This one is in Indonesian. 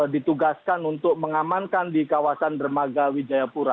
ditugaskan untuk mengamankan di kawasan dermaga wijayapura